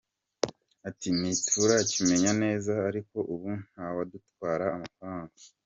Ati «Ntiturakimenya neza ariko ubu nta wadutwara amafaranga.